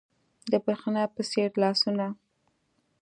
د برېښنا په څیر لاسونه